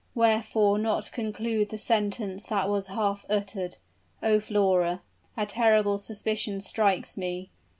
wherefore not conclude the sentence that was half uttered? Oh, Flora a terrible suspicion strikes me!